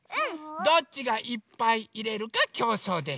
どっちがいっぱいいれるかきょうそうです。